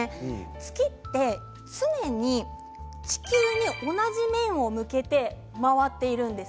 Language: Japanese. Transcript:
月は常に地球に同じ面を向けて回っているんです。